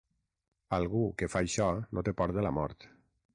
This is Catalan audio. Algú que fa això no té por de la mort.